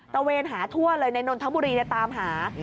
เวนหาทั่วเลยในนนทบุรีตามหา